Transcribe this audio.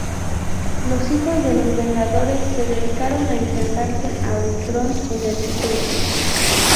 Los hijos de los Vengadores se dedicaron a enfrentarse a Ultron en el futuro.